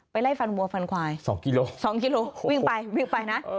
ไล่ฟันวัวฟันควาย๒กิโล๒กิโลวิ่งไปวิ่งไปนะ